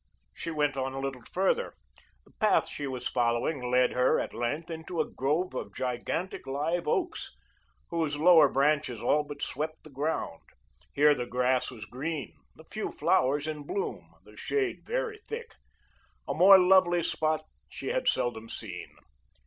She went on a little further. The path she was following led her, at length, into a grove of gigantic live oaks, whose lower branches all but swept the ground. Here the grass was green, the few flowers in bloom, the shade very thick. A more lovely spot she had seldom seen.